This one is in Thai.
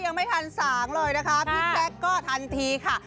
ยังไม่ทันสางเลยนะคะพี่แจ๊คก็ทันทีค่ะ